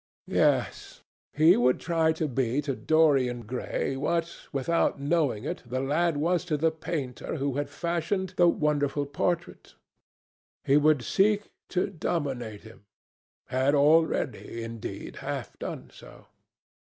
Yes; he would try to be to Dorian Gray what, without knowing it, the lad was to the painter who had fashioned the wonderful portrait. He would seek to dominate him—had already, indeed, half done so.